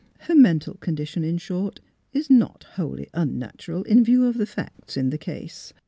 Her mental condition, in short, is not wholly unnatural in view of the facts in the case.